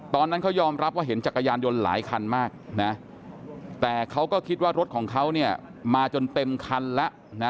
ตอนนั้นเขายอมรับว่าเห็นจักรยานยนต์หลายคันมากนะแต่เขาก็คิดว่ารถของเขาเนี่ยมาจนเต็มคันแล้วนะ